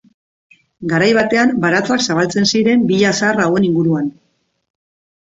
Garai batean baratzak zabaltzen ziren villa zahar hauen inguruan.